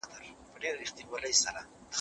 موږ به په نږدې وخت کې نوی دفتر پرانیزو.